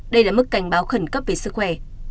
đây là mức cảnh báo khẩn cấp về sức khỏe